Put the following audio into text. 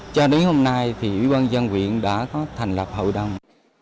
cho đến hôm nay thì ủy ban dân quyện đã có thành lập hậu đồng